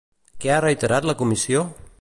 Què ha reiterat la Comissió?